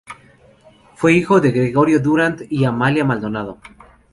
Fue hijo de Gregorio Durand y Amalia Maldonado.